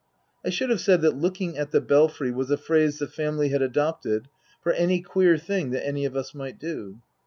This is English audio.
(I should have said that " looking at the belfry " was a phrase the family had adopted for any queer thing that any of us might do.)